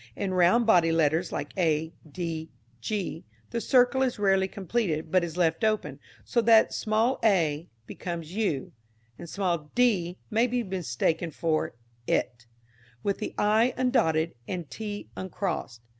In round bodied letters like a, d, g, the circle is rarely completed, but is left open, so that small a becomes u, and small d may be mistaken for it, with the i undotted and t uncrossed.